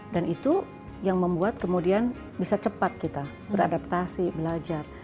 dan itu yang membuat kemudian bisa cepat kita beradaptasi belajar